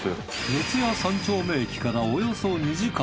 四谷三丁目駅からおよそ２時間。